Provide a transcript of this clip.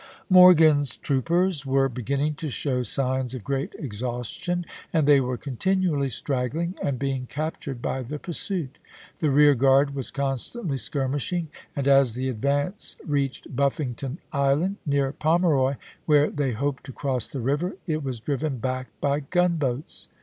Morgan's troopers were beginning to show signs of great exhaustion, and they were continually straggling and being captured by the pursuit. The rear guard was constantly skirmishing, and, as the advance reached Buffington Island, near Pomeroy, where they hoped to cross the river, it was driven back by gunboats.